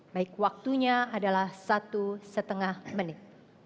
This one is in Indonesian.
baik waktunya adalah satu setengah menit